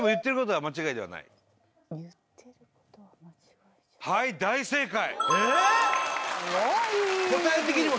はい正解。